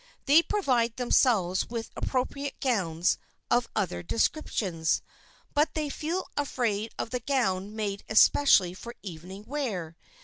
They provide themselves with appropriate gowns of other descriptions, but they feel afraid of the gown made especially for evening wear.